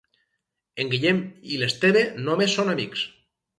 En Guillem i l'Esteve només són amics.